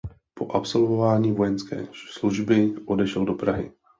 Po absolvování vojenské služby odešel do Prahy.